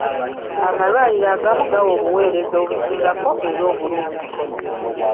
Amalwaliro agamu gawa obuweereza obusingako era obulungi.